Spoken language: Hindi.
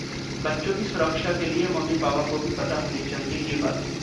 बच्चों की सुरक्षा के लिए मम्मी-पापा को भी पता होनी चाहिए ये बातें